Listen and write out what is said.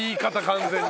完全に。